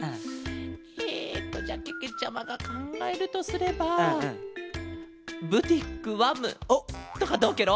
えっとじゃあけけちゃまがかんがえるとすれば「ブティックわむ」とかどうケロ？